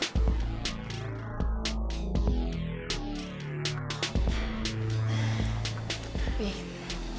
oke aku mau pergi